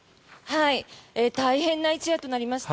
大変な一夜となりました。